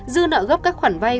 dư nợ gốc các khoản vay